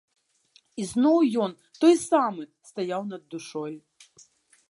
І зноў ён, той самы, стаяў над душой.